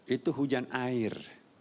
itu hujan air